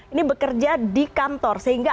ini bekerja di kantor sehingga